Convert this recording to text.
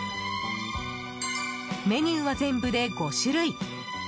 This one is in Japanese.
メニューは全部で５種類。